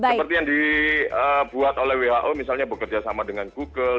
seperti yang dibuat oleh who misalnya bekerja sama dengan google